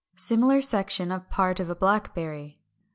Similar section of part of a blackberry.